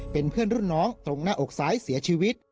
เป็นเพื่อนรุ่นน้องตรงหน้าอกซ้ายเสียชีวิต